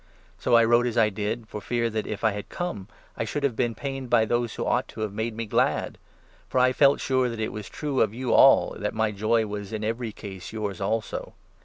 So I wrote as I did, for fear that, if I had come, I 3 should have been pained by those who ought to have made me glad ; for I felt sure that it was true of you all that my joy was in every case yours also.